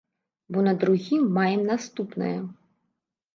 Бо на другі маем наступнае.